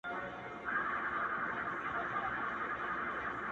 هغه د ساه کښلو لپاره جادوگري غواړي ـ